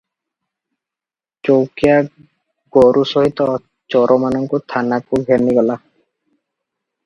ଚୌକିଆ ଗୋରୁ ସହିତ ଚୋରମାନଙ୍କୁ ଥାନାକୁ ଘେନିଗଲା ।